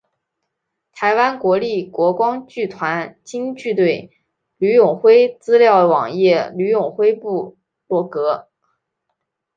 台湾国立国光剧团京剧队吕永辉资料网页吕永辉部落格